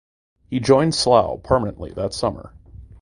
He joined Slough permanently that summer.